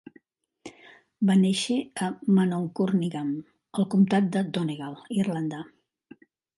Va néixer a Manorcunningham, al comtat de Donegal, Irlanda.